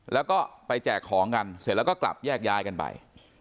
แล้วก็ไปแจกของกันเสร็จแล้วก็กลับแยกย้ายกันไป